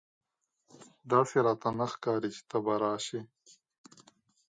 داسي راته نه ښکاري چې ته به راسې !